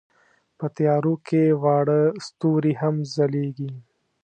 په تیارو کې واړه ستوري هم ځلېږي.